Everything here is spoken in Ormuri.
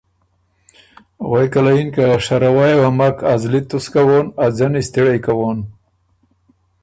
غوېکه یِن که ”شَرَوئ یه مک ا زلی تُسک کوون، ا ځنی ستِړئ کوون“